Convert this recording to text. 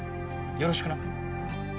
よろしく。